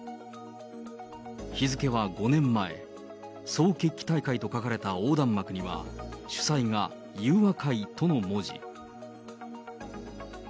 日付は５年前、総決起大会と書かれた横断幕には主催が裕和会との文字。